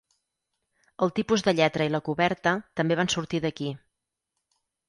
El tipus de lletra i la coberta també van sortir d'aquí.